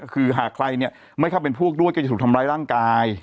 คือหากใครเนี่ยไม่เข้าเป็นพวกด้วยก็จะถูกทำร้ายร่างกาย